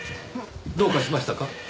どうかしましたか？